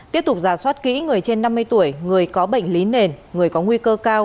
tiếp tục giả soát kỹ người trên năm mươi tuổi người có bệnh lý nền người có nguy cơ cao